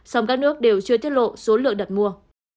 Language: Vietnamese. song các nước đều chưa tiết lộ số lượng đặt mua